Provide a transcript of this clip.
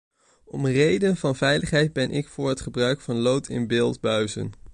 Om reden van veiligheid ben ik vóór het gebruik van lood in beeldbuizen.